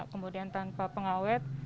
kemudian tanpa pengawet